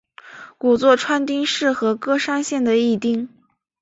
古座川町是和歌山县的一町。